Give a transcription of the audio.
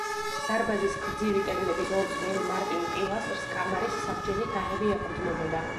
დარბაზის გრძივი კედლების ორ წყვილ მარტივ პილასტრს კამარის საბჯენი თაღები ეყრდნობოდა.